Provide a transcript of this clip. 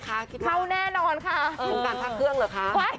ลูกชั้นโตมานี่โรงจรากเลยก่อน